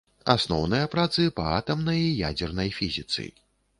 Асноўныя працы па атамнай і ядзернай фізіцы.